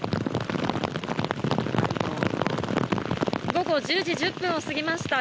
午後１０時１０分を過ぎました